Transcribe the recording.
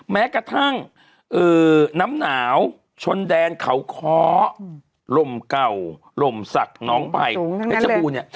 แม้กระทั่งเอ่อน้ำหนาวชนแดงเขาค้อลมเก่าลมสักน้องไปสูงทั้งนั้นเลย